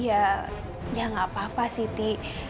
ya ya nggak apa apa siti